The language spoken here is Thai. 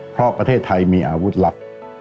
เพราะประเทศไทยมีอาวุธลับ